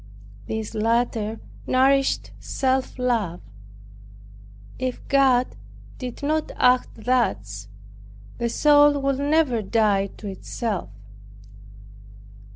This latter nourished self love. If God did not act thus, the soul would never die to itself.